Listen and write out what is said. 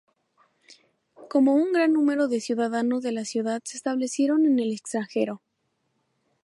Como un gran número de ciudadanos de la ciudad se establecieron en el extranjero.